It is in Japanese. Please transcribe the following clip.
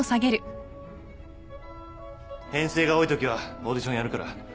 編成が多いときはオーディションやるから。